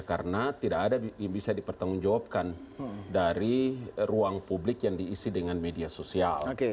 karena tidak ada yang bisa dipertanggungjawabkan dari ruang publik yang diisi dengan media sosial